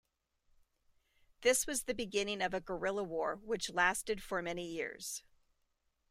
This was the beginning of a guerrilla war which lasted for many years.